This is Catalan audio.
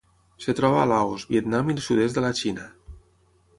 Es troba a Laos, Vietnam i el sud-est de la Xina.